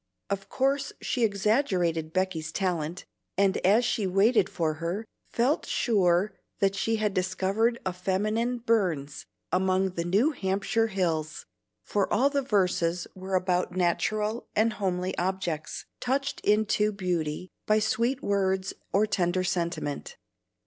Of course she exaggerated Becky's talent, and as she waited for her, felt sure that she had discovered a feminine Burns among the New Hampshire hills, for all the verses were about natural and homely objects, touched into beauty by sweet words or tender sentiment.